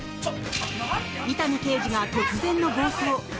伊丹刑事が突然の暴走。